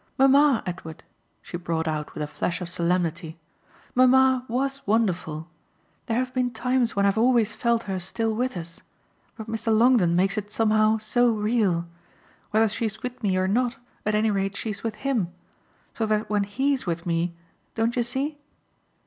"Mamma, Edward," she brought out with a flash of solemnity "mamma WAS wonderful. There have been times when I've always felt her still with us, but Mr. Longdon makes it somehow so real. Whether she's with me or not, at any rate, she's with HIM; so that when HE'S with me, don't you see